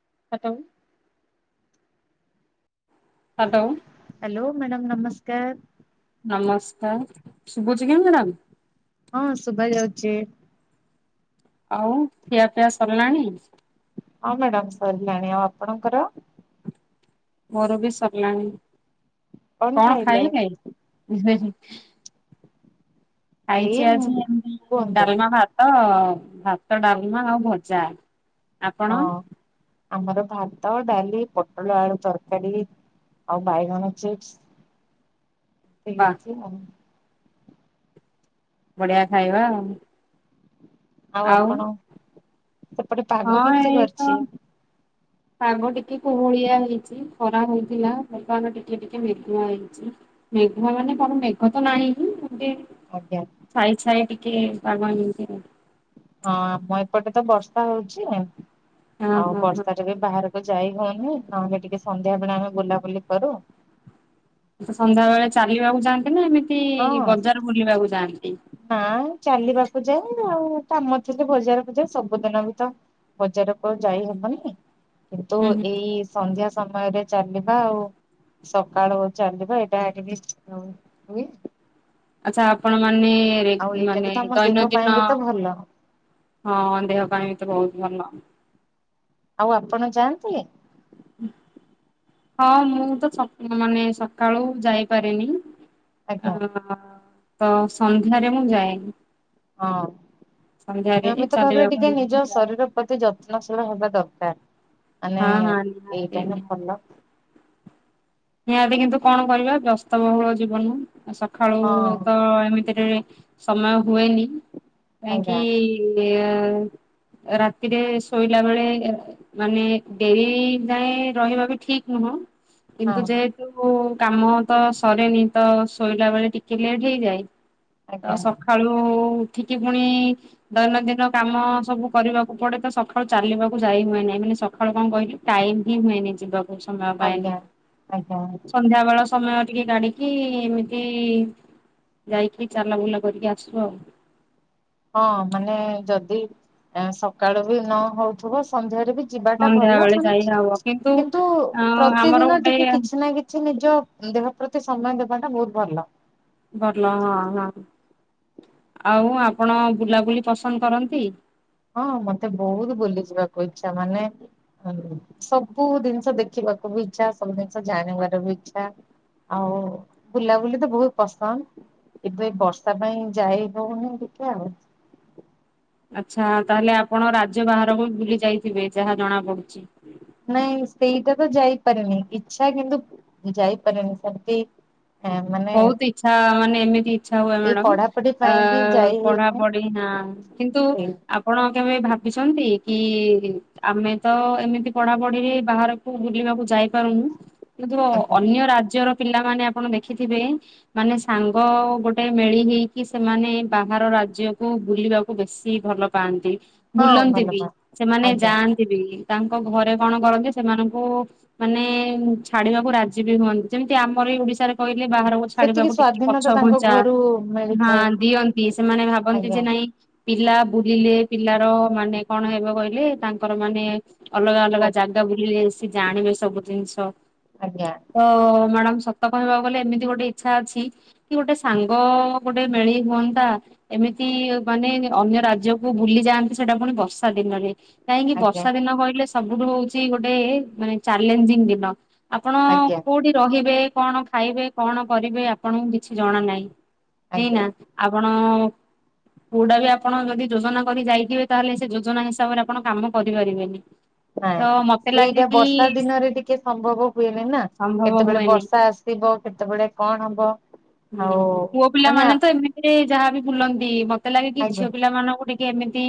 [unintelligible] Hello. Hello madam ନମସ୍କାର। ନମସ୍କାର ଶୁଭୁଛି କି ମ୍ୟାଡ଼ାାମ? ହଁ ଶୁବା ଯାଉଛି। ଆଉ ଖିଆ ପିଆ ସର୍ ଲାଣି? ହଁ ମ୍ୟାଡାାମ ସରିଲାଣି ଆଉ ଆପଣଙ୍କର? ମୋର ବି ସରିଲାଣି କଣ ଖାଇଲେ? ଏଇ ଖାଇଛି ଆଜି ମୁଁ ଏମତି କୁହନ୍ତୁ ଡାଲମା ଭାତ ଭାତ ଡାଲମା ଆଉ ଭଜା। ଆପଣ ହଁ ଆମର ଭାତ ଡାଲି ପୋଟଳ ଆଳୁ ତରକାରୀ। ଆଉ ବାଇଗଣ ଛେଚ୍। ବା ବଢିଆ ଖାଇବା ଆଉ। ଆଉ ଆପଣ? ସେପଟେ ପାଗ ହଁ କେମିତି ଏଇ ତ। କରିଛି? ପାଗ ଟିକେ କୁହୁଳିଆ ହେଇଛି ଖରା ହଇଥିଲା ପବନ ଟିକେ ଟିକେ ହେଇଥି ହେଇଛି। ମେଘା ମାନେ କଣ ମେଘ ତ ନାହିଁ। ଆଜ୍ଞା ହଁ ଛାଇଛାଇ ଟିକେ ପାଗ ଏମିତି। ହଁ ଆମ ଏପଟେ ତ ବର୍ଷା ହଉଛି ହଁ ହଁ ଆଉ ହଁ ବର୍ଷା ରେ ବି ବାହାର ଯାଇ ହଉନି ନହେଲେ ଟିକେ ସନ୍ଧ୍ୟା ବେଳେ ଆମେ ବୁଲାବୁଲି କରୁ ତ ସନ୍ଧ୍ୟାବେଳେ ଚାଲିବାକୁ ଯା ନା ଏମିତି ହଁ ବଜାର ବୁଲିବାକୁ ଯାଆନ୍ତି। ନା ଚାଲିବାକୁ ଯାଏ ଆଉ କାମ ଥିଲେ ବଜାର ଫଜାର ସବୁଦିନ ବିତ ବଜାରକୁ ଯାଇ ହବନି କିନ୍ତୁ ହୁଁ ହୁଁ ଏଇ ସନ୍ଧ୍ୟା ସମୟରେ ଚାଲିବା ଆଉ ସକାଳ ଚାଲିବା ଏଇଟା ଟିକେ [unintelligible] ହୁଏ। ଆଚ୍ଛା ଆପଣମାନେ ଆଉ ଏଇଟା ମାନେ ବି ତ ଆମ ଦେହ ପାଇଁ ଦୈନଦିନ ବି ତ ଭଲ। ହଁ ଦେହ ପାଇଁ ବି ତ ବହୁତ ଭଲ। ଆଉ ଆପଣ ଯାଆନ୍ତି? ହଁ ମୁଁ ତ ସକ ମାନେ ସକାଳୁ ଯାଇ ପାରେନି। ଅ ଆଜ୍ଞା ତ ସନ୍ଧ୍ୟାରେ ମୁଁ ଯାଏନି। ହଁ ସନ୍ଧ୍ୟାରେ ନିୟମିତ ଭାବରେ ଚାଲିବାକୁ ଟିକେ ଏମିତି ନିଜ ଯାଏ। ଶରୀର ପ୍ରତି ଯତ୍ନଶୀଳ ହେବା ଦର କାର୍ ମାନେ ହଁ ହଁ ନିହାତି ଏଇଟା ନା ନିହାତି। ଭଲ। ନିହାତି କିନ୍ତୁ କଣ କରିବା ବ୍ୟସ୍ତ ବହୁଳ ଜୀବନ ସକାଳୁ ହଁ ତ ଏମିତିରେ ସମୟ ହୁଏନି କାହିଁକି ଆଜ୍ଞା ଏ? ରାତିରେ ଶୋଇଲା ବେଳେ ମାନେ ଡେରି ଯାଏ ରହିବା ବି ଠିକ ନୁହଁ। ହଁ। କିନ୍ତୁ ହଁ ଯେହେତୁ କାମ ତ ସରେନି ତ ଶୋଇଲା ବେଳେ ଟିକେ ଲେଟ ହେଇଯାଏ। ତ ଆଜ୍ଞା ସକାଳୁ ଉଠିକି ପୁଣି ଦୈନଦିନ କାମ ସବୁ କରିବାକୁ ପଡେ ତ ସକାଳୁ ଚାଲିବାକୁ ଯାଇ ହୁଏନି। ନାଇ ମାନେ ସକାଳୁ କଣ କହିଲୁ ଟାଇମ ହି ହୁଏନି ଯିବାକୁ ସମୟ ଆଜ୍ଞା ପାଏନି। ଆଜ୍ଞା। ସନ୍ଧ୍ୟା ବେଳ ସମୟ ଟିକେ ଗାଡିକି ଏମିତି ଯାଇକି ଚାଲା ବୁଲା କରିକି ଆସୁ ଆଉ। ହଁ ମାନେ ଯଦି ଆ ସକାଳୁ ବି ନ ହଉଥିବ ସନ୍ଧ୍ୟାରେ ବି ଯିବାଟା ସନ୍ଧ୍ୟା ଭଲ ବେଳେ ଯାଇ ମାନେ ହବ କିନ୍ତୁ ଅ ଆମର ପ୍ରତିଦିନ ଗୋଟେ ଟିକେ କିଛି ନା କିଛି ନି ନିଜ ଦେହ ପ୍ରତି ସମୟ ଦେବାଟା ବହୁତ ଭଲ। ଭଲ ହଁ ହଁ। ଆଉ ଆପଣ ବୁଲାବୁଲି ପସନ୍ଦ କରନ୍ତି। ହଁ ମତେ ବହୁତ ବୁଲି ଯିବାକୁ ଇଚ୍ଛା ମାନେ ଅ ସବୁ ଜିନିଷ ଦେଖି ବାକୁ ବି ଇଚ୍ଛା ସବୁ ଜିନିଷ ଜାଣିବାର ବି ଇଚ୍ଛା। ଆଉ ବୁଲାବୁଲି ତ ବହୁତ ପସନ୍ଦ। ଏବେ ବର୍ଷା ପାଇଁ ଯାଇ ହଉନି ଟିକେ ଆଉ। [inaudible] ଆଚ୍ଛା ତାହେଲେ ଆପଣ ରାଜ୍ୟ ବାହାରକୁ ବୁଲି ଯାଇଥିବେ ଯାହା ଜଣା ପଡୁଛି। ନାଇଁ ସେଇଟା ତ ଯାଇପାରେନି ଇଚ୍ଛା କିନ୍ତୁ ଯାଇପାରେନି ସେମିତି ମାନେ ବହୁତ ଇଚ୍ଛା ମାନେ ଏମିତି ଇଚ୍ଛା ହୁଏ ଏଇ ମ୍ୟାଡାମ। ପଢାପଢି ଅ ପାଇଁ ବି ଯାଇ ହେଇନି ପଢାପଢି ନା କିନ୍ତୁ ହେଇ ଆପଣ କେବେ ଭାବ ଭାବିଛନ୍ତି କି ଆମେ ତ ଏମିତି ପଢା ପଢିରେ ବାହାରକୁ ବୁଲିବାକୁ ଯାଇପାରୁନୁ। କିନ୍ତୁ ଆଜ୍ଞା ଅନ୍ୟ ରାଜ୍ୟର ପିଲାମାନେ ଆପଣ ଦେଖ ଦେଖିଥିବେ ମାନେ ସାଙ୍ଗ ଗୋଟେ ମେଳି ହେଇକି ସେମାନେ ବାହାର ରାଜ୍ୟକୁ ବୁ ବୁଲିବାକୁ ବେଶୀ ଭଲ ପାଆନ୍ତି ହଁ ବୁଲନ୍ତି ଭଲ ବି ପା ସେମାନେ ଆଜ୍ଞା। ଯାଆନ୍ତି ବି ତାଙ୍କ ଘରେ କଣ କରନ୍ତି ସେମାନଙ୍କୁ ମାନେ ଛାଡିବାକୁ ରାଜି ବି ହୁଅନ୍ତି ଯେମିତି ଆମର ଏଇ ଓଡିଶାରେ କହିଲେ ବାହାରକୁ ସେତିକି ଛାଡିବାକୁ ଟିକେ ସ୍ଵାଧୀନତା ପଛ ତାଙ୍କ ଘୁଞ୍ଚା ଘରୁ ମିଳିଥାଏ ହ ଦିଅନ୍ତି ସେମାନେ ଭାବନ୍ତି ଆଜ୍ଞା ଯେ ନାଇଁ ପିଲା ବୁଲିଲେ ପିଲାର ମାନେ କଣ ହେବ କହିଲେ ତାଙ୍କର ମାନେ ଅଲଗା ଅଲଗା ହଉ ଜାଗା ବୁଲିଲେ ସିଏ ଜାଣିବେ ସବୁ ଜିନିଷ ଆଜ୍ଞା ତ ମ୍ୟାଡାମ ସତ କହିବାକୁ ଗଲେ ଏମିତି ଗୋଟେ ଇଚ୍ଛା ଅଛି କି ଗୋଟେ ସାଙ୍ଗ ଗୋଟେ ମେଳି ହୁଅନ୍ତା ଏମିତି ମାନେ ଅନ୍ୟ ରାଜ୍ୟକୁ ବୁଲି ଯାଆନ୍ତି ସେଟା ପୁଣି ବର୍ଷା ଦିନରେ କାହିଁକି ଆଜ୍ଞା। ବର୍ଷା ଦିନ କହିଲେ ସବୁଠୁ ହଉଛି ଗୋଟେ ମାନେ ଚ୍ୟାଲେଞ୍ଜିଂ ଦିନ। ଆପଣ ଆଜ୍ଞା କୋଉଠି ରହିବେ। କଣ ଖାଇବେ? କଣ କରିବେ? ଆପଣଙ୍କୁ କିଛି ଜଣା ନାହିଁ। ନି ଆଜ୍ଞା ନା ଆପଣ କୋଉଟା ବି ଆପଣ ଯଦି ଯୋଜନା କରି ଯାଇଥିବେ। ତାହେଲେ ସେ ଯୋଜନା ହିସାବରେ ଆପଣ କାମ କରିପାରିବେନି। ତ ନାଇଁ ମ ସେଇଟା ବର୍ଷା ଦିନରେ ଟିକେ ସମ୍ଭବ ହୁଏନି ନା। ସମ୍ଭବ କେତେବେଳେ ହୁଏନି ବର୍ଷା ଆସିବ। କେତେବେଳେ କଣ ହବ? ଆଉ ହୁଁ ପୁଅ ପିଲା ମାନେ ତ ଏମିତିରେ ଯାହାବି ବୁଲନ୍ତି। ମତେ ଲାଗେ କି ଆଜ୍ଞା ଝିଅ ପିଲା ମାନଙ୍କୁ ଗୋଟେ ଏମିତି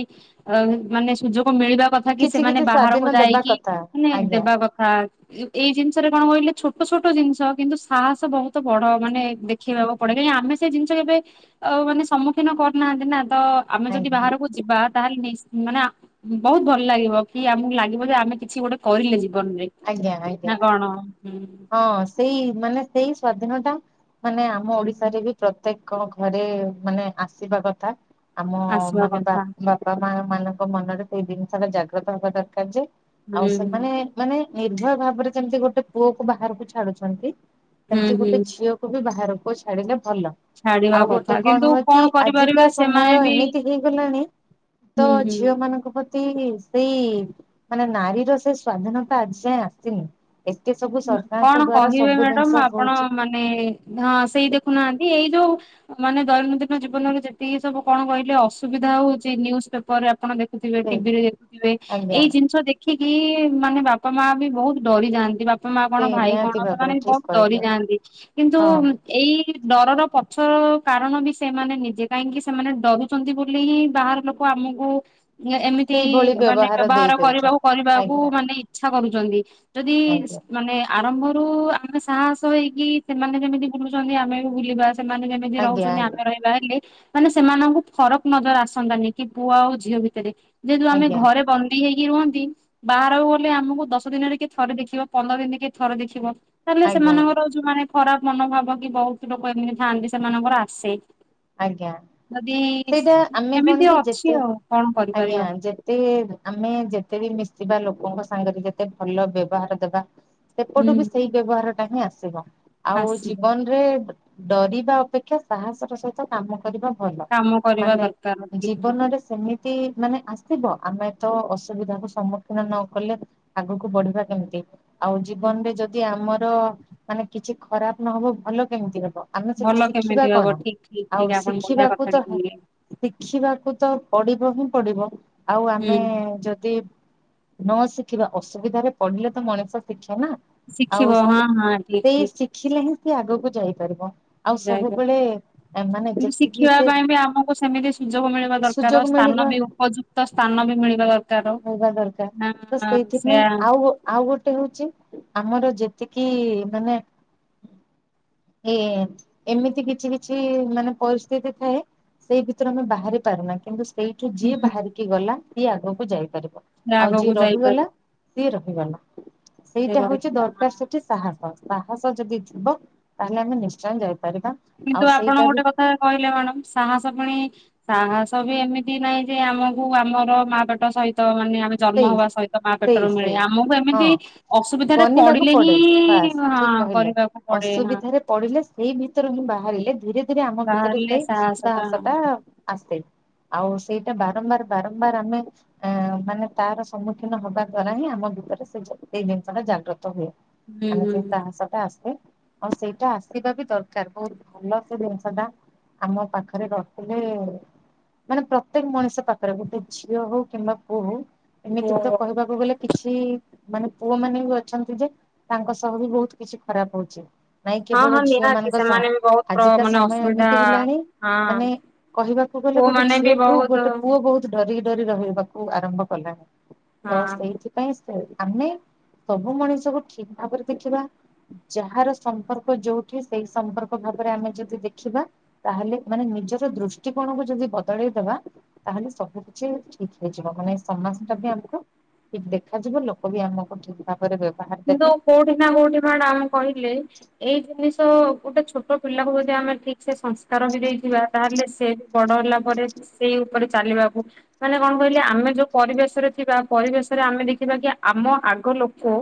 ଅ ମାନେ ସୁଯୋଗ ମିଳିବା କଥା କି କିଛି ସେମାନେ କିଛି ବାହାରକୁ ସ୍ଵାଧୀନ ଦେବା ଯାଇକି କଥା ମାନେ ଆଜ୍ଞା ଦେବା କଥା। ଏଇ ଜିନିଷରେ କଣ କହିଲେ ଛୋଟ ଛୋଟ ଜିନିଷ କିନ୍ତୁ ସାହସ ବହୁତ ବଡ। ମାନେ ଦେଖିବାକୁ ପଡେ। କାହିଁକି ଆମ ସେ ଜିନିଷ କେବେ ଆ ମାନେ ସମ୍ମୁଖୀନ କରୁନାହାନ୍ତି ନା। ତ ଆମେ ଯଦି ଆଜ୍ଞା ବାହାରକୁ ଯିବା ତାହେଲେ ନିସ୍ ମାନେ ବହୁତ ଭଲ ଲାଗିବ। କି ଆମକୁ ଲାଗିବ ଯେ ଆମେ କିଛି ଗୋଟେ କରିଲେ ଯି ନରେ ଆଜ୍ଞା ଆଜ୍ଞା। ନା କଣ। ହଁ ସେଇ ମାନେ ସେଇ ସ୍ଵାଧୀନ ଟା ମାନେ ଆମ ଓଡିଶାରେ ହୁଁ ବି ପ୍ରତ୍ୟେକ କଣ ଘରେ ମାନେ ଆସିବା କଥା। ଆମ ଆସିବା ମାନେ ବା କଥା ବାପା ମା ମାନଙ୍କ ମନରେ ସେଇ ଜିନିଷ ଟା ଜାଗ୍ରତ ହବା ଦରକାର। ଯେ ଆଉ ହୁଁ ସେମାନେ ମାନେ ନିର୍ଭୟ ଭାବରେ ଯେମିତି ଗୋଟେ ପୁଅ କୁ ବାହାରକୁ ଛାଡୁଛନ୍ତି। ହୁଁ ସେମତି ହୁଁ। ଗୋଟେ ଝିଅକୁ ବି ବାହାରକୁ କ ଛାଡିଲେ ଭଲ ଛାଡିବା ଆଉ ଗୋଟେ କଥା କଣ କିନ୍ତୁ ହୁଏ କି ଆଜିକା କରିପାରିବେ ସମୟ ସେମାନେ ବି ଏମିତି ହେଇଗଲାଣି। ତ ହୁଁ ହୁଁ। ଝିଅ ମାନଙ୍କ ପ ସେଇ ମାନେ ନାରୀର ସେଇ ସ୍ଵାଧୀନତା ଆଜି ଯାଏଁ ଆସିନି। ଏତେ ସବୁ ସରକାରଙ୍କ କଣ ଦ୍ଵାରା କହିବେ ସବୁ ଜିନିଷ ମ୍ୟାଡାମ ଆପଣ ହଉଛି ମାନେ ହଁ ସେଇ ଦେଖୁନାହାନ୍ତି। ଏଇ ଯୋଉ ମାନେ ଦୈନନ୍ଦିନ ଜୀବନରେ ଯେତିକି ସବୁ କଣ କହିଲେ ଅସୁବିଧା ହଉଛି। ନ୍ୟୁଜ୍ ପେପର ରେ ଆପଣ ଦେଖ ଥିବେ ସେ ଟିଭିରେ ଦେଖୁଥିବେ। ଆଜ୍ଞା। ଏଇ ଜିନିଷ ଦେଖ ଦେଖିକି ମାନେ ବାପା ମା ବି ବହୁତ ଡରି ଯାଆନ୍ତି। ବାପା ମା ସେ କଣ ଭାଇ କଣ ନିହାତି ସେମାନେ ଭାବରେ ଠିକ ବହୁତ ଡରି କହିଲେ ଯାଆନ୍ତି। କିନ୍ତୁ ହଁ ଏଇ ଡରର ପଛ କାରଣ ବି ସେମାନେ ନିଜେ। କାହିଁକି ସେମାନେ ଡରୁଛନ୍ତି ବୋଲି ହିଁ ବାହାର ଲୋକ ଆ ମୁକୁ ଏମିତି ସେଇଭଳି ମାନେ ବ୍ୟବହାର ଦେଇ ଦଉଛନ୍ତି। କରିବାକୁ କରିବାକୁ ଆଜ୍ଞା ମାନେ ଇଚ୍ଛା କରୁଛନ୍ତି। ଯଦି ଆଜ୍ଞା ମାନେ ଆରମ୍ଭରୁ ଆମେ ସାହସ ହେଇକି ସେମାନେ ଯେମିତି ବୁଲୁଛନ୍ତି ଆମେ ବି ବୁଲିବା। ସେମାନେ ଯେମିତି ଆଜ୍ଞା ଆଜ୍ଞା ରହୁଛନ୍ତି। ଆମେ ରହିବା ହେଲେ ମାନେ ସେମାନଙ୍କୁ ଫରକ ନଜର ଆସନ୍ତାନି। କି ପୁଅ ଆଉ ଝିଅ ଭିତରେ। ଯେହେତୁ ଆମେ ଆଜ୍ଞା ଘରେ ବନ୍ଦୀ ହେଇକି ରୁହନ୍ତି । ବାହାରକୁ ଗଲେ ଆମକୁ ଦଶ ଦିନରେ କିଏ ଥରେ ଦେଖିବ। ପନ୍ଦର ଦିନିକେ ଥର ଦେଖିବ। ତାହେଲେ ଆଜ୍ଞା ସେମାନଙ୍କର ଯୋଉମାନେ ଖରାପ ମନୋଭାବ କି ବହୁତ ଲୋକ ଏମିତି ଥାଆନ୍ତି। ସେମାନଙ୍କର ଆସେ। ଆଜ୍ଞା ଯଦି ସେଇଟା ଆମେ ଏମିତି କଣ କି ଅଛି ଯେତେ ଆଉ କଣ କରିପାରିବା ଆଜ୍ଞା ଯେତେ ଆମେ ଯେତେ ବି ମିଶଥିବା ଲୋକ ଲୋକଙ୍କ ସାଙ୍ଗରେ ଯେତେ ଭଲ ବ୍ୟବହାର ଦେବା। ହୁଁ ସେପଟୁ ବି ସେଇ ବ୍ୟବହାର ଟା ହିଁ ଆସିବ। ଆଉ ଆସିବ ଜୀବନରେ ଡରିବା ଅପେକ୍ଷା ସାହସ ର ସହିତ କାମ କରିବା ଭଲ। କାମ କରିବା ମାନେ ଦରକାର ଠିକ ଠିକ ଜୀବନରେ ସେମିତି ମାନେ ଆସିବ। ଆମେ ତ ଅସୁବିଧା କୁ ସମ୍ମୁଖୀନ ନ କଲେ ଆଗକୁ ବଢିବା କେମିତି। ଆଉ ହୁଁ। ଜୀବନ ରେ ଯଦି ଆମର ମାନେ କିଛି ଖରାପ ନହବ ଭଲ କେମିତି ହବ। ଆମେ ସେଠି ଭଲ ଶିଖିବା କେମିତି ହବ କଣ? ଠିକ ଠିକ ଆଉ ଠିକ ଆପଣ ବଢିଆ ଶିଖିବାକୁ କଥାଟେ ତ କହିଲେ ଶିଖିବାକୁ ପଡିବ ହିଁ ପଡିବ। ଆଉ ହୁଁ। ଆମେ ଯଦି ନ ଶିଖିବା ଅସୁବିଧାରେ ପଢିଲେ ତ ମଣିଷ ଶିଖି ହେ ନା ଶିଖିବ ଆଉ ହଁ ହଁ ଠିକ ସେ ଠିକ ଶିଖିଲେ ହିଁ ଆଗକୁ ଯାଇପାରିବ। ଆଉ ଯାଇପାର ସବୁବେଳେ ମାନେ କିନ୍ତୁ ଯେତିକି ଶିଖିବା ସେ ପାଇଁ ବି ଆମକୁ ସେମିତି ସୁଯୋଗ ମିଳିବା ଦରକାର। ସ୍ଥାନ ବି ଉପଯୁକ୍ତ ସ୍ଥାନ ବି ମିଳ ହେବା ଦରକାର ତ ସେଇଥିପାଇଁ ସେୟା ଆଉ ଆଉ ଗୋଟେ ହଉଛି ଆମର ଯେତିକି ମାନେ ଏ ଏମିତି କିଛି କିଛି ମାନେ ପରିସ୍ଥିତି ଥାଏ ସେଇ ଭିତରେ ଆମେ ବାହାରି ପାରୁନା କିନ୍ତୁ ସେଇଠୁ ଯିଏ ହୁଁ ବାହାରିକି ଗଲା ସିଏ ଆଗକୁ ଯାଇପାରିବ ସେ ଆଉ ଯିଏ ଆଗକୁ ରହିଗଲା ଯାଇପାରିବ ସିଏ ରହିଗଲା ସେ ସେଇଟା ହଉଛି ଦରକାର ରହିଗଲା। ସେଠି ସାହସ ସାହସ ଯଦି ଯିବ ତାହେଲେ ଆମେ ନିଶ୍ଚୟ ଯାଇପାରିବା। କିନ୍ତୁ ଆଉ ଆପଣ ସେଇଟା ଗୋଟେ ବି କଥା କହିଲେ ମ୍ୟାଡ଼ାମ ସାହସ ପୁଣି ସାହସ ବି ଏମିତି ନହିଁ ଯେ ଆମକୁ ଆମର ମା ପେଟ ସହିତ ମାନେ ଆମେ ଜନ୍ମ ସେଇ ହବା ସହିତ ମା ପେଟରୁ ସେଇ ମିଳେ ସେଇ ଆମକୁ ହଁ ଏମିତି ଅସୁବିଧାରେ ବନିବାକୁ ପଡିଲେ ପଡେ ହିଁ ବାସ୍ ହଁ ଠିକ କହିଲେ କରିବାକୁ ପଡେ ହଁ। ଅସୁବିଧାରେ ପଡିଲେ ସେଇ ଭିତରୁ ହିଁ ବା ବାହାରିଲେ ଧୀରେ ଧୀରେ ଆମ ଭିତରେ ବାହାରିଲେ ସେଇ ସାହସଟା ତାାସ ଟା ହୁଁ ଆସେ। ଆଉ ସେଇଟା ବାରମ୍ବାର ବାରମ୍ବାର ଆମେ ଅ ମାନେ ତାର ସମ୍ମୁଖୀନ ହବା ଦ୍ଵାରା ହିଁ ଆମ ଭିତରେ ସେ ସେଇ ଜିନିଷ ଟା ଜାଗ୍ରତ ହୁଏ। ଆ ହୁଁ ସେ ଶାହାସ ଟା ଆଶେ। ଆଉ ସେଇଟା ଆସିବା ବି ଦରକାର ବହୁତ ଭଲ ସେ ଜିନିଷ ଟା ଆମ ପାଖରେ ରଖଥିଲେ ମାନେ ପ୍ରତ୍ୟେକ ମଣିଷ ପାଖରେ ଗୋଟେ ଝିଅ ହଉ କିମ୍ବା ପୁଅ ହଉ ଓ ଏମିତି ବି ତ କହିବାକୁ ଗଲେ କିଛି ମାନେ ପୁଅ ମାନେ ବି ଅଛନ୍ତି ଯେ ତାଙ୍କ ସହ ବି ବହୁତ କିଛି ଖରାପ ହଉଛି ନାଇଁ ହଁ କେବଳ ହଁ ଝିଅ ନିହାତି ମାନଙ୍କ ସହ ସେମାନେ ବି ବହୁତ ପ୍ର ଆଜିକା ମାନେ ସମୟ ଅସୁବିଧା ଏମିତି ହେଲାଣି ହଁ ମାନେ କହିବାକୁ ଗଲେ ଗୋଟେ ପୁଅମାନେ ବି ଝିଅଠୁ ବହୁତ ଗୋଟେ ପୁଅ ବହୁତଡରିକି ରହିବାକୁ ଆରମ୍ଭ କଲାଣି ତ ହଁ। ସେଇଥିପାଇଁ ସେ ଆମେ ସବୁ ମଣିଷକୁ ଠିକ ଭାବରେ ଦେଖିବା ଯାହାର ସମ୍ପର୍କ ଯୋଉଠି ସେଇ ସମ୍ପର୍କ ଆମେ ଯଦି ଦେଖିବା ତାହେଲେ ମାନେ ନିଜର ଦୃଷ୍ଟିକୋଣକୁ ଯଦି ବଦଳେଇଦବା ତାେଲେ ସବୁ କିଛି ଠିକ ହେଇଯିବ ମାନେ ସମ ଜଦୀ ଆମକୁ ଠିକ ଦେଖାଯିବ ଲୋକ ବି ଆମକୁ ଠିକ ଭାବ କିନ୍ତୁ କୋଉଠି ନା କୋଉଠି ମ୍ୟାଡ଼ାମ ଆମେ କହିଲେ ଏଇ ଜିନିଷ ଗୋଟେ ଛୋଟ ପିଲାକୁ ଯଦି ଆମେ ଠିକ ସେ ସଂସ୍କାର ବି ଦେଇଯିବା ତାହେଲେ ସେ ବଡ ଲା ପରେ ସେଇ ଉପରେ ଚାଲିବାକୁ ମାନେ କଣ କହିଲେ ଆମେ ଯୋଉ ପରିବେଶ ରେ ଥିବା ପରିବେଶରେ ଆମେ ଦେଖିବା କି ଆମ ଆଗ ଲୋକ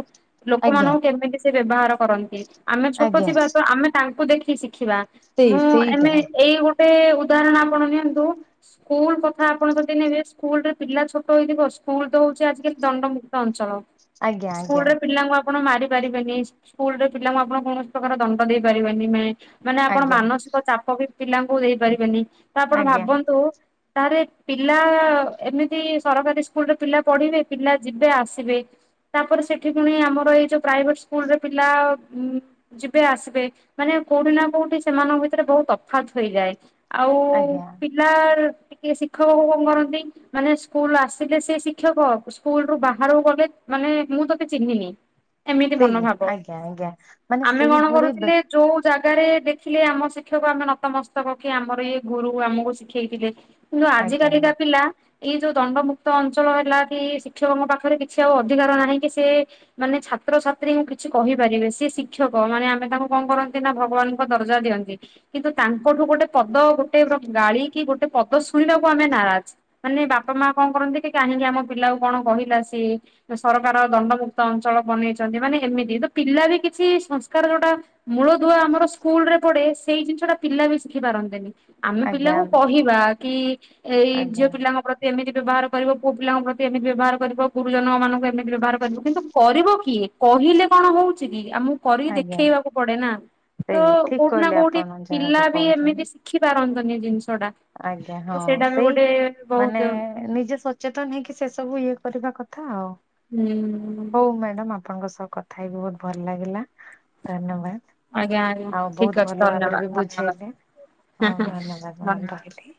ଆଜ୍ଞା ଲୋକମାନଙ୍କୁ କେମିତି ସେ ବ୍ୟବହାର କରନ୍ତି ଆମେ ଛୋଟ ଆଜ୍ଞା ଥିବା ତ ଆମେ ତାଙ୍କୁ ଦେଖି ଶି ଦେଖିବା ସେଇ ମୁଁ ସେଇଟା ଏମେ ଏଇ ଗୋଟେ ଗୋଟେ ଉଦାହରଣ ଆପଣ ନିଅନ୍ତୁ ସ୍କୁଲ କଥା ଆପଣ ଯଦି ନେବେ ସ୍କୁଲରେ ପିଲା ଛୋଟ ହେଇଥିବ ବ ସ୍କୁଲ ତ ହଉଛି ଆଜିକାଲି ଦଣ୍ଡମୁକ୍ତ ଅଞ୍ଚଳ ଆଜ୍ଞା ଆଜ୍ଞା। ସ୍କୁଲରେ ପିଲାଙ୍କୁ ଆପଣ ମାର ପାରିବେନି ସ୍କୁଲ ରେ ପିଲାଙ୍କୁ ଆପଣ କୌଣସି ପ୍ରକାର ଦଣ୍ଡ ଦେଇ ପାରିବେନି ମ ମାନେ ଆପଣ ଆଜ୍ଞା ମାନସିକ ଚାପ ବି ପିଲାଙ୍କୁ ଦେଇପାରିବେନି ତ ଆପଣ ଆଜ୍ଞା ଭାବନ୍ତୁ ତାହେଲେ ପିଲା ଏମିତି ସରକାରୀ ସ୍କୁଲରେ ପିଲା ପଢିବେ ପିଲା ଯିବେ ଆସିବେ ତାପରେ ସେଠ ଏଠଣି ଆମର ଏଇ ଯୋଉ ପ୍ରାଇଭେଟ ସ୍କୁଲରେ ପିଲା ଉ ଯିବେ ଆସିବେ ମାନେ କୋଉଠି ନା କଉଠି କୋଉଠି ସେମାନଙ୍କ ଭିତରେ ବହୁତ ତଫାାତ ହୋଇଇଯାଏ ଆଉ ଆଜ୍ଞା ପିଲା ଟିକେ ଶିକ୍ଷକ କ କଣ କରନ୍ତି ମାନେ ସ୍କୁଲ ଆସିଲେ ସେ ଶିକ୍ଷକ ସ୍କୁଲ ରୁ ବାହାରକୁ ଗଲେ ମାନେ ମୁଁ ତୋତେ ଚିହ୍ନିନି ଏମିତି ସେଇ ମନୋଭାବ ଆଜ୍ଞା ଆଜ୍ଞା ମାନେ ଆମେ କଣ ସେଇଭଳି ବେ କରୁଥିଲେ ଯୋଉ ଜାଗାରେ ଦେଖିଲେ ଆମ ଶିକ୍ଷକକୁ ଆମେ ନତମସ୍ତକକେ ଆମର ଇଏ ଗୁରୁ ଆମକୁ ଶିଖେଇଥିଲେ କିନ୍ତୁ ଆଜ୍ଞା ଆଜିକାଲିକା ପିଲା ଏଇ ଯୋଉ ଦଣ୍ଡମୁକ୍ତ ଅଞ୍ଚଳ ହେଲା କି ଶିକ୍ଷକଙ୍କ ପାଖରେ କିଛି ଆଉ ଅଧିକାର ନାହିଁ କି ସେ ମାନେ ଛାତ୍ରଛାତ୍ରୀଙ୍କୁ କିଛି କହିପାରିବେ ସି ଶିକ୍ଷକ ମାନେ ଆମେ ତାଙ୍କୁ କଣ କରନ୍ତି ନା ଭଗବାନ ଦର୍ଜା ଦିଅନ୍ତି କିନ୍ତୁ ତାଙ୍କଠୁ ଗୋଟେ ପଦ ଗୋଟେ ଗାଳି କି ଗୋଟେ ପଦ ଶୁଣିବାକୁ ଆମେ ନାହିଁ [unintelligible] ମାନେ ବାପା ମା କଣ କରନ୍ତି କି କାହିଁକି ଆମ ପିଲାକୁ କଣ କହିଲା ସି ସରକାର ଦଣ୍ଡମୁକ୍ତ ଅଞ୍ଚଳ ବନେଇଛନ୍ତି ମାନେ ଏମିତି। ତ ପିଲା ବି କିଛି ସଂସ୍କାର ଯୋଉଟା ମୂଳଦୁଆ ଆମର ସ୍କୁଲ ରେ ପଢେ ସେଇ ଜିନିଷଟା ପିଲା ବି ଶିଖି ପାରନ୍ତିନି। ଆମେ ଆଜ୍ଞା ପିଲାଙ୍କୁ କହିବା କି ଏଇ ଝିଅ ଆଜ୍ଞା ପିଲାଙ୍କ ପ୍ରତି ଏମିତି ବ୍ୟବହାର କରିବ। ପୁଅ ପିଲାଙ୍କ ପ୍ରତି ଏମିତି ବ୍ୟବହାର କରିବ। ଗୁରୁଜନ ମାନଙ୍କୁ ଏମିତି ବ୍ୟବହାର କରିବ। କିନ୍ତୁ କରିବ କିଏ କହିଲେ କଣ ହଉଛି କି। ଆମକୁ କରିକି ଆଜ୍ଞା ଦେଖେଇବାକୁ ପଡେ ନା। ତ ସେଇ ଠିକ୍ କୋଉଠି ନା କହିଲେ କୋଉଠି ଆପଣ ଯାହାବି ପିଲା ବି ଏମିତି କହୁଛନ୍ତି। ଶିଖି ପାର। [unintelligible] ଆଜ୍ଞା ହଁ ସେଇ ବହୁତ ମାନେ ନିଜେ ସଚେତନ ହେଇକି ସେ ସବୁ ଇଏ କରିବା କଥା ଆଉ। ହୁଁ। ହଉ ମ୍ୟାଡାମ ଆପଣଙ୍କ ସହ କଥା ହେଇକି ବହୁତ ଭଲ ଲାଗିଲା। ଧନ୍ୟବାଦ। ଆଜ୍ଞା ଆଜ୍ଞା ଆଉ ଠିକ ବହୁତ ଅଛି ଭଲ ଭାବରେ ଧନ୍ୟବାଦ ବି ଧନ୍ୟବାଦ ବୁଝେଇଲେ। ହଁ ଧନ୍ୟବାଦ ମାଡ଼ାମ ହଁ ରହିଲି।